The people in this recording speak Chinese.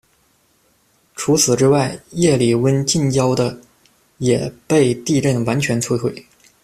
除此之外，叶里温近郊的也被地震完全摧毁。